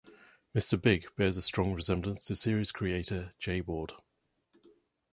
Mr. Big bears a strong resemblance to series creator Jay Ward.